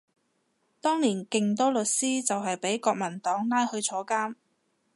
當年勁多律師就係畀國民黨拉去坐監